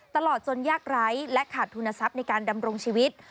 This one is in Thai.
ตลอดจนยากไร้และขาดทุนทรัพย์ในการดำรงชีวิต